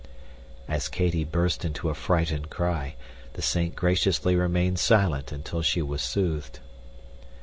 As Katy burst into a frightened cry, the saint graciously remained silent until she was soothed.